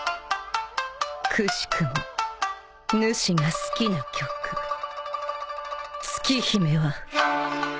くしくもぬしが好きな曲『月姫』は。